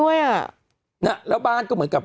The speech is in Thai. ว่ะเหล่าเมื่อว่ะ